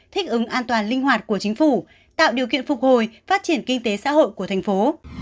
thích ứng an toàn linh hoạt của chính phủ tạo điều kiện phục hồi phát triển kinh tế xã hội của thành phố